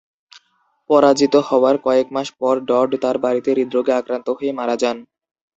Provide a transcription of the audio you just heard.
পরাজিত হওয়ার কয়েক মাস পর, ডড তার বাড়িতে হৃদরোগে আক্রান্ত হয়ে মারা যান।